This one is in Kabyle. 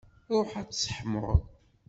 Ṛuḥ ad tseḥmuḍ.